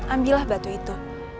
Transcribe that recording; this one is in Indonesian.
ambillah batu itu